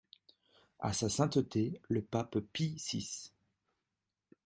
À Sa Sainteté le Pape Pie six.